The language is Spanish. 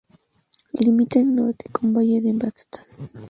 Limita al norte con el valle de Baztán.